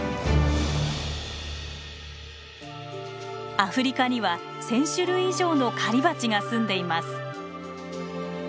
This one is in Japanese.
アフリカには１，０００種類以上の狩りバチがすんでいます。